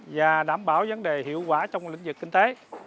và đảm bảo vấn đề hiệu quả trong lĩnh vực kinh tế